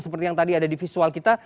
seperti yang tadi ada di visual kita